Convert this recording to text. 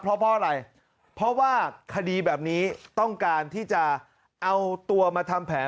เพราะอะไรเพราะว่าคดีแบบนี้ต้องการที่จะเอาตัวมาทำแผน